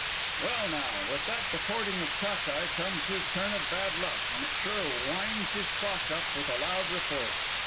"Well, now, with that deporting of Cock eye comes his turn of bad luck, and it sure winds his clock up with a loud report.